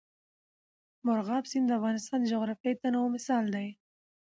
مورغاب سیند د افغانستان د جغرافیوي تنوع مثال دی.